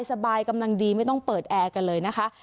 สบายกำลังดีไม่ต้องเปิดแอร์กันเลยนะคะ